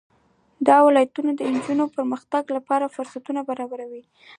دا ولایتونه د نجونو د پرمختګ لپاره فرصتونه برابروي.